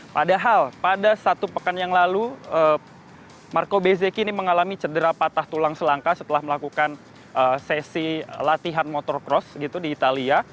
padahal pada satu pekan yang lalu marco bezeki ini mengalami cedera patah tulang selangka setelah melakukan sesi latihan motorcross gitu di italia